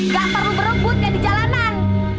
gak perlu berebutnya di jalanan